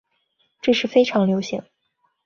这是非常流行。